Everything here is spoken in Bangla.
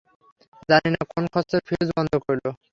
জানি না কোন খচ্চর ফিউজ বন্ধ করল।